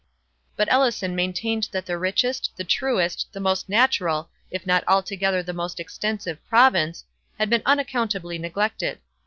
But Ellison maintained that the richest, the truest, and most natural, if not altogether the most extensive province, had been unaccountably neglected.